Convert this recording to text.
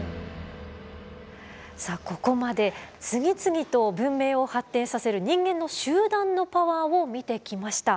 さあここまで次々と文明を発展させる人間の集団のパワーを見てきました。